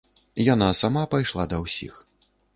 Яна сама пайшла да ўсіх.